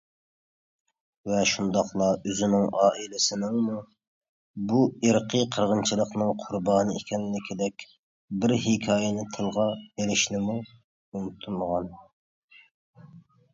ۋە شۇنداقلا ئۆزىنىڭ ئائىلىسىنىڭمۇ بۇ ئىرقى قىرغىنچىلىقنىڭ قۇربانى ئىكەنلىكىدەك بىر ھېكايىنى تىلغا ئېلىشنىمۇ ئۇنتۇمىغان.